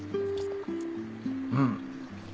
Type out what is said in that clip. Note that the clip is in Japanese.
うん。